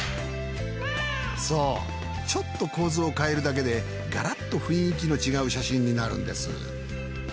そうちょっと構図を変えるだけでガラッと雰囲気の違う写真になるんです。